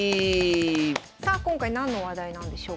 さあ今回何の話題なんでしょうか。